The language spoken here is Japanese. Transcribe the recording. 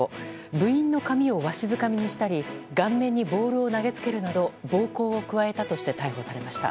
部員の髪をわしづかみにしたり顔面にボールを投げつけるなど暴行を加えたとして逮捕されました。